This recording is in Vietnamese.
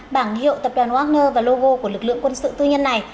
bảng hiệu tập đoàn wagner và logo của lực lượng quân sự tư nhân này